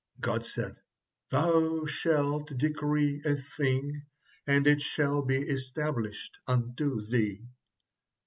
God said: "Thou shalt decree a thing, and it shall be established unto thee."